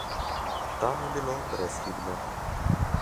Tam je bilo brezhibno.